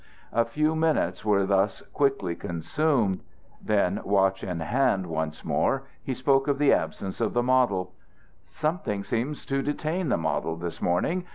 A few minutes were thus quickly consumed. Then, watch in hand once more, he spoke of the absence of the model: "Something seems to detain the model this morning.